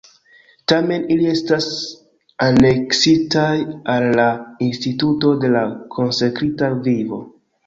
Tamen ili estas aneksitaj al la institutoj de konsekrita vivo.